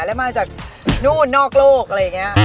แล้วมาจากนู่นนอกโลกอะไรอย่างนี้